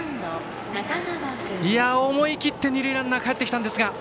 思い切って、二塁ランナーかえってきたんですが。